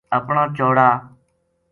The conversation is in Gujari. اپنا چوڑا